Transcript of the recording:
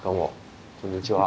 こんにちは。